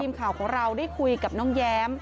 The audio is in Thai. ทีมข่าวของเราได้คุยกับน้องแย้ม